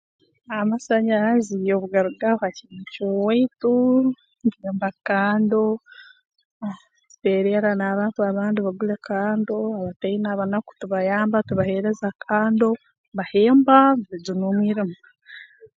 Amasanyarazi obu garugaho ha kyaro ky'owaitu mpemba kando ah ntererra n'abantu abandi bagule kando abataine abanaku tubayamba tubaheereza kando bahemba beejuna omwirima